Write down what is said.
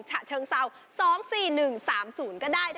ฉะเชิงเซา๒๔๑๓๐ก็ได้